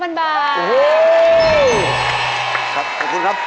ขอบคุณครับ